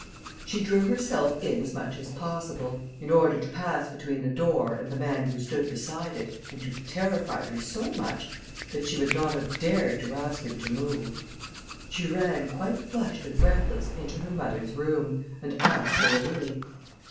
She drew herself in as much as possible, in order to pass between the door and the man who stood beside it, and who terrified her so much that she would not have dared to ask him to move. She ran quite flushed and breathless into her mother's room, and asked for the louis.